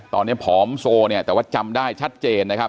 ตอนนี้ผอมโซเนี่ยแต่ว่าจำได้ชัดเจนนะครับ